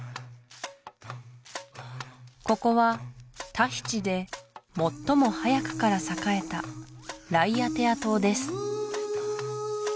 ここはタヒチで最も早くから栄えたライアテア島です